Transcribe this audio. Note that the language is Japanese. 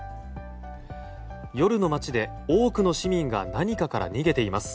夜の街で、多くの市民が何かから逃げています。